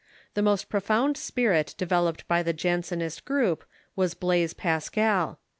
The most profound spirit developed by the Jansenist group was Blaise Pascal.